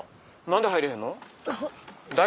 何で入れへんの？